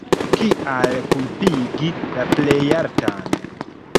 Kial kulpigi la Plejaltan?